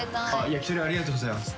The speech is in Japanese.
焼き鳥ありがとうございます。